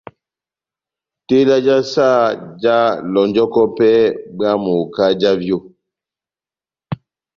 Tela já saha jáhalɔnjɔkɔ pɛhɛ bwámu kahá já vyo.